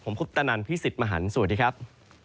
ผมคุปตะนันพี่สิทธิ์มหันฯสวัสดีครับ